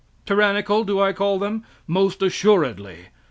Tyrannical do I call them? Most assuredly!